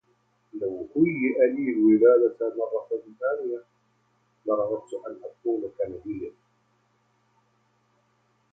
لو هُيئ لي الولادةَ مرةً ثانية، لرغبت أن أكون كندياً.